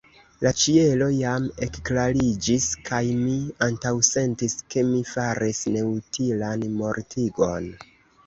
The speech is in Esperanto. La ĉielo jam ekklariĝis, kaj mi antaŭsentis, ke mi faris neutilan mortigon.